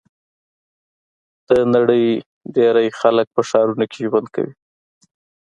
د نړۍ ډېری خلک په ښارونو کې ژوند کوي.